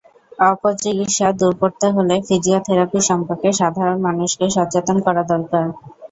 অপচিকিৎসা দূর করতে হলে ফিজিওথেরাপি সম্পর্কে সাধারণ মানুষকে সচেতন করা দরকার।